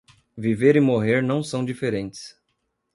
Viver e morrer não são diferentes